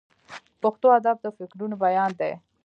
پښتو ادب د فکرونو بیان دی.